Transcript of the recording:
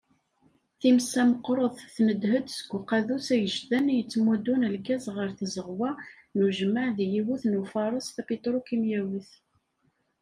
Times-a meqqret, tendeh-d seg uqadus agejdan i yettmuddun lgaz ɣer tzeɣwa n ujmaɛ deg yiwet n ufares tapitrukimyawit.